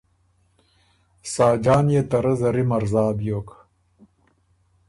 ساجان يې ته رۀ زری مرزا بیوک۔